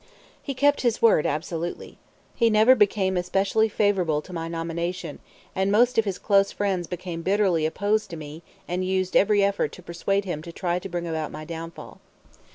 He kept his word absolutely. He never became especially favorable to my nomination; and most of his close friends became bitterly opposed to me and used every effort to persuade him to try to bring about my downfall.